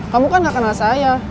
kamu kan nggak kenal saya